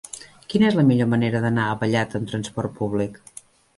Quina és la millor manera d'anar a Vallat amb transport públic?